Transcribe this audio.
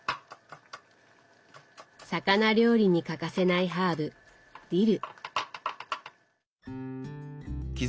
魚料理に欠かせないハーブディル。